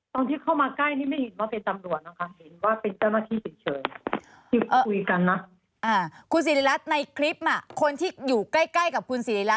ตอนที่เข้ามาใกล้นี่ไม่เห็นว่าเป็นตำรวจนะคะ